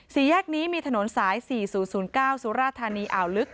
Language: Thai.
สี่แยกนี้มีถนนสาย๔๐๐๙สุราธานีอ่าวลึก